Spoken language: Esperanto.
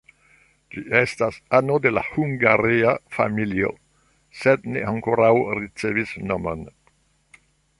Ĝi estas ano de la hungaria familio, sed ne ankoraŭ ricevis nomon.